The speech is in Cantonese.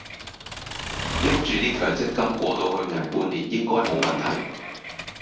拎住啲強積金過到去捱半年應該冇問題